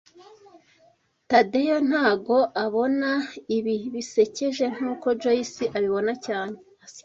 Tadeyo ntago abona ibi bisekeje nkuko Joyce abibona cyane